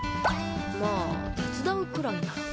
まあ手伝うくらいなら。